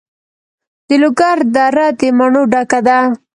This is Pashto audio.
د لوګر دره د مڼو ډکه ده.